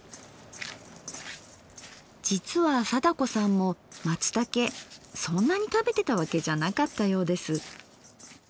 実は貞子さんも松茸そんなに食べてたわけじゃなかったようです。